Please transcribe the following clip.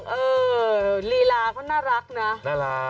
เออลีลาก็น่ารักนะน่ารัก